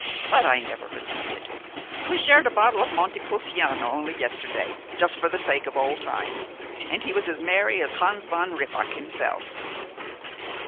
But I never believed it. We shared a bottle of Monte Pulciano only yesterday, just for the sake of old times, and he was as merry as Hans von Rippach himself."